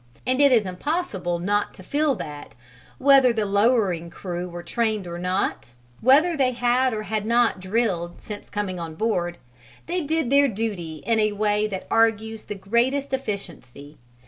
and it is impossible not to feel that, whether the lowering crew were trained or not, whether they had or had not drilled since coming on board, they did their duty in a way that argues the greatest efficiency.